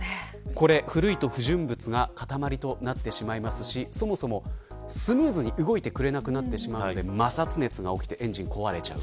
これ、古いと、不純物が塊となってしまいますしそもそもスムーズに動いてくれなくなってしまうので摩擦熱が起きてエンジンが壊れてしまう。